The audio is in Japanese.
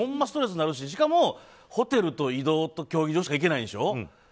ストレスになるししかもホテルと競技場しか行けないんでしょ。